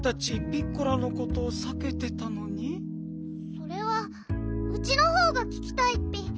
それはウチのほうがききたいッピ。